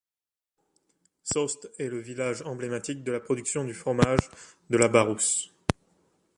Sost est le village emblématique de la production du fromage de la Barousse.